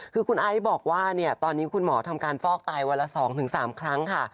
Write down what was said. คือคุณไอซ์บอกว่าตอนนี้คุณหมอทำการฟอกไตวันละ๒๓ครั้งค่ะ